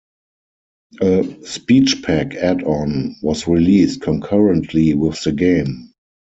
A "Speech Pack" add-on was released concurrently with the game.